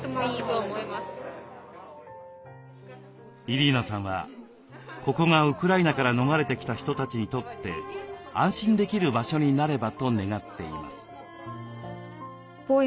イリーナさんはここがウクライナから逃れてきた人たちにとって安心できる場所になればと願っています。